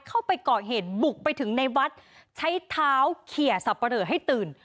เข้าไปก่อเหตุบุกไปถึงในวัดใช้เท้าเขียสับปะเหลอให้ตื่น